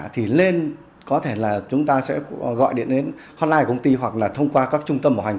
thì lên có thể là chúng ta sẽ gọi điện đến hotline của công ty hoặc là thông qua các trung tâm bảo hành